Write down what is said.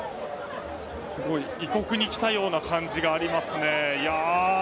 異国に来たような感じがありますね。